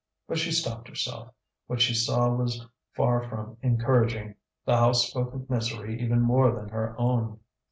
But she stopped herself. What she saw was far from encouraging; the house spoke of misery even more than her own.